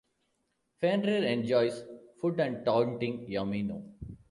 Fenrir enjoys food and taunting Yamino.